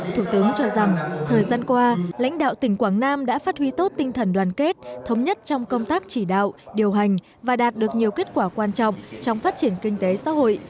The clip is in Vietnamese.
thủ tướng cho rằng thời gian qua lãnh đạo tỉnh quảng nam đã phát huy tốt tinh thần đoàn kết thống nhất trong công tác chỉ đạo điều hành và đạt được nhiều kết quả quan trọng trong phát triển kinh tế xã hội